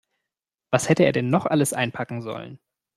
Was hätte er denn noch alles einpacken sollen?